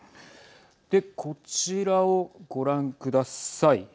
で、こちらをご覧ください。